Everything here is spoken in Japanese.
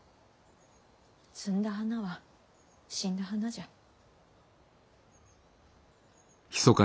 摘んだ花は死んだ花じゃ。